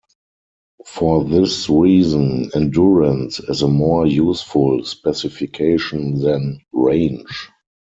For this reason, "endurance" is a more useful specification than "range".